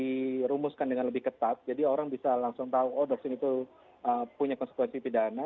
dirumuskan dengan lebih ketat jadi orang bisa langsung tahu oh doxing itu punya konsekuensi pidana